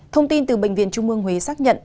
thông tin từ bệnh viện trung mương huế xác nhận